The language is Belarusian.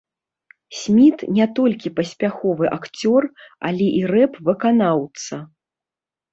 Сміт не толькі паспяховы акцёр, але і рэп-выканаўца.